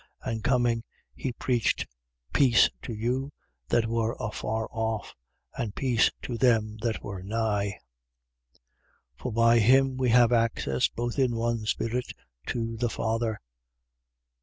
2:17. And coming, he preached peace to you that were afar off: and peace to them that were nigh. 2:18. For by him we have access both in one Spirit to the Father.